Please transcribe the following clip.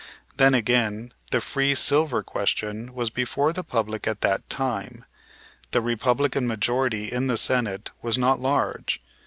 Then again, the free silver question was before the public at that time. The Republican majority in the Senate was not large.